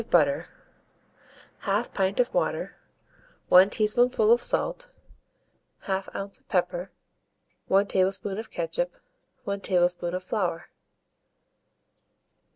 of butter, 1/2 pint of water, 1 teaspoonful of salt, 1/2 do. of pepper, 1 tablespoonful of ketchup, 1 tablespoonful of flour.